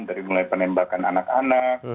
dari mulai penembakan anak anak